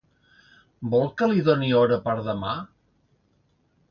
Vol que li doni hora per demà?